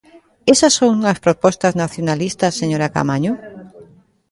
¿Esas son as propostas nacionalistas, señora Caamaño?